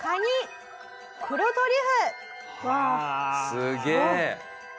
すげえ！